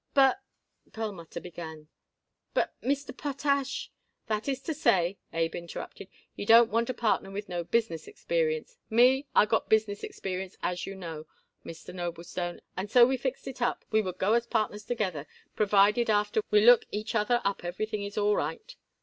"But," Perlmutter began, "but, Mr. Potash " "That is to say," Abe interrupted, "he don't want a partner with no business experience. Me, I got business experience, as you know, Mr. Noblestone, and so we fixed it up we would go as partners together, provided after we look each other up everything is all right."